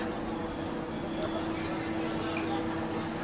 สวัสดีค่ะ